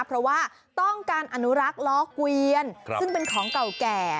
เพราะว่าต้องการอนุรักษ์ล้อเกวียนซึ่งเป็นของเก่าแก่